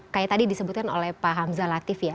kayak tadi disebutkan oleh pak hamzah latif ya